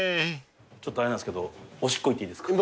ちょっとあれなんですけどおしっこ行っていいですか。